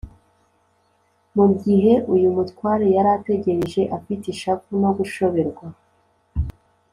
. Mu gihe uyu mutware yari ategereje afite ishavu no gushoberwa,